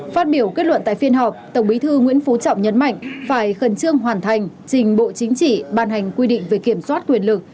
phát biểu kết luận tại phiên họp tổng bí thư nguyễn phú trọng nhấn mạnh phải khẩn trương hoàn thành trình bộ chính trị ban hành quy định về kiểm soát quyền lực